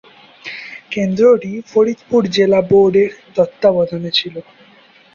কেন্দ্রটি ফরিদপুর জেলা বোর্ডের তত্ত্বাবধানে ছিল।